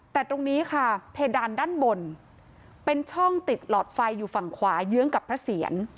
แต่ตรงนี้ค่ะเพดานด้านบนเป็นช่องติดหลอดไฟอยู่ฝั่งขวาเยื้องกับพระเสียร